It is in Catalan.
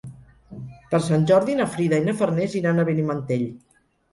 Per Sant Jordi na Frida i na Farners iran a Benimantell.